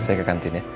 saya ke kantin ya